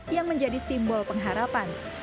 yang menjadi simbol pengharapan